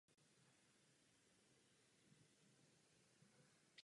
Takový fond bude nejvítanějším především v oblasti financování reálné ekonomiky.